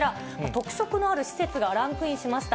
特色のある施設がランクインしました。